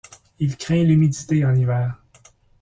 Il craint l'humidité en hiver.